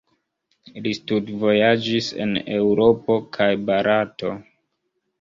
Li studvojaĝis en Eŭropo kaj Barato.